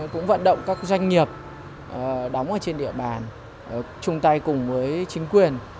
cũng vận động các doanh nghiệp đóng ở trên địa bàn chung tay cùng với chính quyền